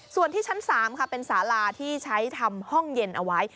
ส่วนที่ชั้น๓ค่ะเป็นสาลาที่ใช้ทำห้องเย็นเอาไว้